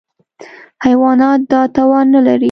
حیوانات دا توان نهلري.